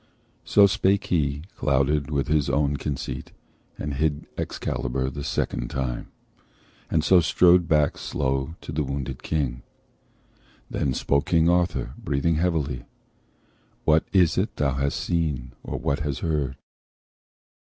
So spake he, clouded with his own conceit, And hid Excalibur the second time, And so strode back slow to the wounded King. Then spoke King Arthur, breathing heavily: "What is it thou hast seen? or what hast heard?"